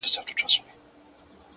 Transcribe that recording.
د کلي سپی یې ـ د کلي خان دی ـ